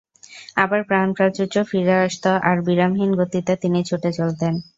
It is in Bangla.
আবার প্রাণপ্রাচুর্য ফিরে আসত আর বিরামহীন গতিতে তিনি ছুটে চলতেন।